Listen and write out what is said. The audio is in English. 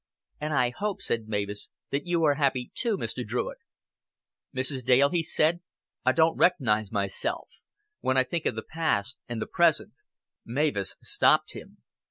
"And I hope," said Mavis, "that you are happy too, Mr. Druitt." "Mrs. Dale," he said, "I don't reco'nize myself. When I think of the past and the present " Mavis stopped him.